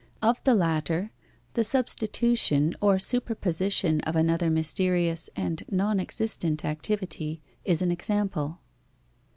Of the latter, the substitution or superposition of another mysterious and non existent activity is an example.